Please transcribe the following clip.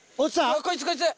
こいつこいつ！